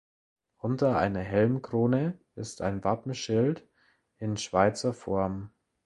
Unter einer Helmkrone ist ein Wappenschild in Schweizer Form.